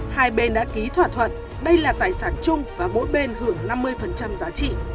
hai bên đã ký thỏa thuận đây là tài sản chung và mỗi bên hưởng năm mươi giá trị